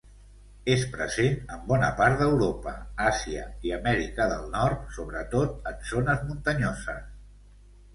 És present en bona part d'Europa, Àsia i Amèrica del Nord, sobretot en zones muntanyoses.